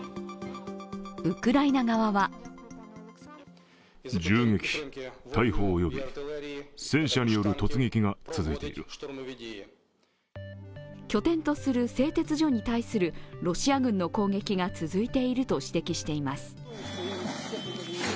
ウクライナ側は拠点とする製鉄所に対するロシア軍の攻撃が続いていると指摘してます。